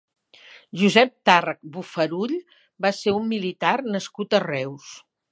Josep Tàrrech Bofarull va ser un militar nascut a Reus.